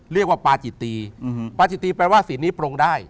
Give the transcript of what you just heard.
เรียกว่าปาจิตีปาจิตีแปลว่าศีลนี้ปรงได้